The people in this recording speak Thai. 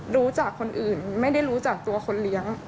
รู้จักคนอื่นไม่ได้รู้จักตัวคนเลี้ยง